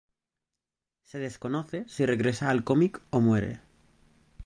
Se desconoce si regresa al comic o muere.